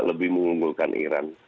lebih mengunggulkan iran